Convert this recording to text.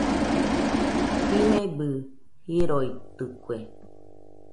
Jimebɨ jiroitɨkue